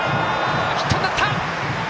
ヒットになった！